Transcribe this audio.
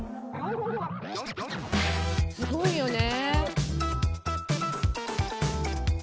「すごいよね」